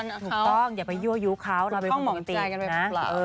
ถูกต้องอย่าไปยู่เขาเราเป็นคนปกตินะ